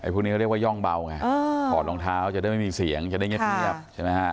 พวกนี้ก็เรียกว่าย่องเบาไงถอดรองเท้าจะได้ไม่มีเสียงจะได้เงียบใช่ไหมฮะ